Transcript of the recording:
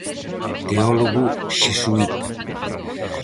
Teólogo xesuíta.